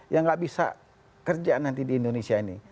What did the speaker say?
yang nggak bisa kerja nanti di indonesia ini